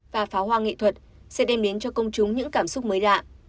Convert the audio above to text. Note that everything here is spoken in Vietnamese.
và pháo hoa nghệ thuật sẽ đem đến cho công chúng những cảm xúc mới lạ